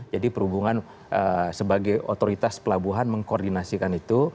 jadi perhubungan sebagai otoritas pelabuhan mengkoordinasikan itu